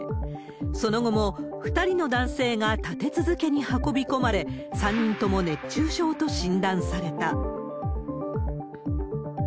その後も２人の男性が立て続けに運び込まれ、３人とも熱中症と診断された。